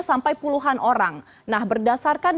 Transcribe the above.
sampai puluhan orang nah berdasarkan